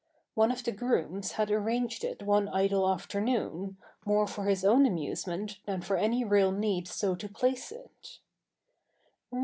One of the grooms had arranged it one idle afternoon, more for his own amusement than for any real need so to place it.